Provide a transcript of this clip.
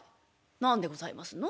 何でございますの？